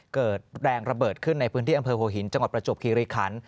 เกิดแรงระเบิดขึ้นในพื้นที่อำเภอหัวหินจังหวัดประจวบคิริคัน